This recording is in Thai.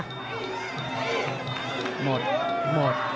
หมดหมด